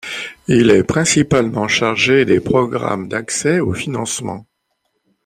Il est principalement chargé des programmes d'accès aux financements.